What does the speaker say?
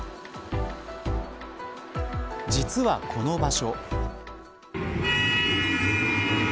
実は、この場所。